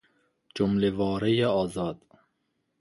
جمله واره آزاد